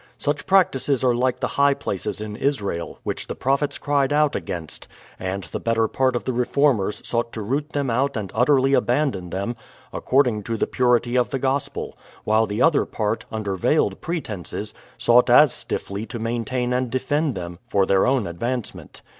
Such practises are like the high places in Israel, which the prophets cried out against ; and the better part of the reformers sought to root them out and utterly abandon them, according to the purity of the gospel; while the other part, under veiled pretences, sought as stiffly to maintain and defend them, for their own advancement.